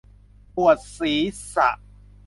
ปวดศีรษะ